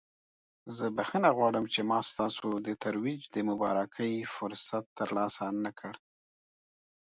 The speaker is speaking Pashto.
زه بخښنه غواړم چې ما ستاسو د ترویج د مبارکۍ فرصت ترلاسه نکړ.